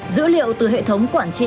dữ liệu từ hệ thống quản trị